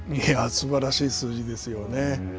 すばらしい数字ですよね。